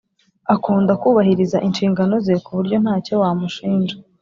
Akunda kubahiriza inshingano ze ku buryo ntacyo wamushinja